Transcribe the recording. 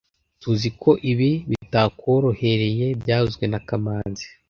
Tuziko ibi bitakworoheye byavuzwe na kamanzi